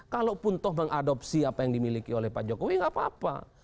kalaupun toh mengadopsi apa yang dimiliki oleh pak jokowi nggak apa apa